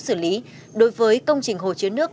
xử lý đối với công trình hồ chứa nước